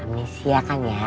amnesia kan ya